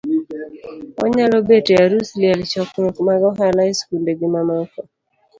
onyalo bet e arus, liel, chokruok mag ohala,e skunde gimamoko.